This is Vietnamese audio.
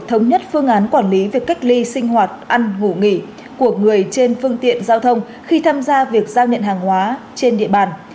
thống nhất phương án quản lý việc cách ly sinh hoạt ăn ngủ nghỉ của người trên phương tiện giao thông khi tham gia việc giao nhận hàng hóa trên địa bàn